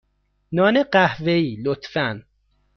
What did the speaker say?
نان قهوه ای، لطفا.